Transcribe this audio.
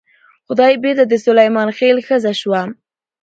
خدۍ بېرته د سلیمان خېل ښځه شوه.